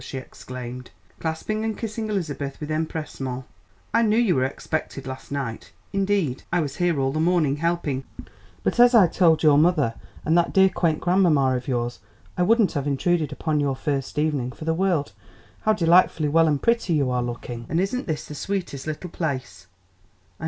she exclaimed, clasping and kissing Elizabeth with empressement. "I knew you were expected last night indeed, I was here all the morning helping, but as I told your mother and that dear, quaint grandmamma of yours, I wouldn't have intruded upon your very first evening for the world! How delightfully well and pretty you are looking, and isn't this the sweetest little place?